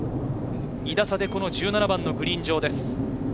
２打差で１７番のグリーン上です。